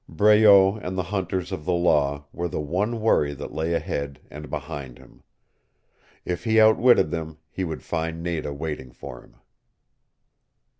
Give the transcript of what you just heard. Breault and the hunters of the law were the one worry that lay ahead and behind him. If he outwitted them he would find Nada waiting for him.